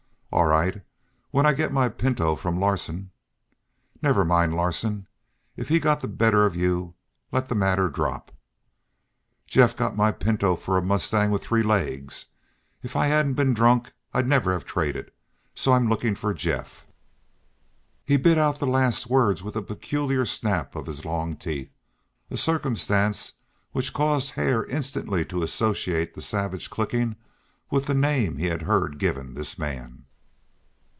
"All l right. When I get my pinto from Larsen." "Never mind Larsen. If he got the better of you let the matter drop." "Jeff got my pinto for a mustang with three legs. If I hadn't been drunk I'd never have traded. So I'm looking for Jeff." He bit out the last words with a peculiar snap of his long teeth, a circumstance which caused Hare instantly to associate the savage clicking with the name he had heard given this man.